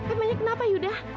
emangnya kenapa yuda